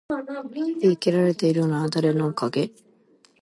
日々生きられているのは誰のおかげ？